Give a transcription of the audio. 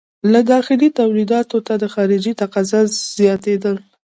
له داخلي تولیداتو ته د خارجې تقاضا زیاتېدل.